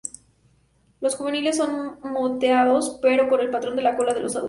Los juveniles son moteados, pero con el patrón de la cola de los adultos.